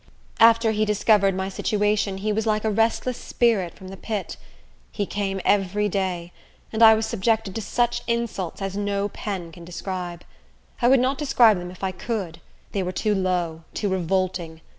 After he discovered my situation, he was like a restless spirit from the pit. He came every day; and I was subjected to such insults as no pen can describe. I would not describe them if I could; they were too low, too revolting.